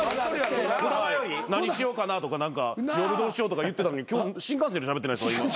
何しようかなとか夜どうしようとか言ってたのに今日新幹線よりしゃべってない今。